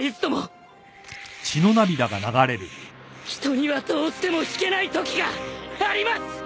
人にはどうしても引けないときがあります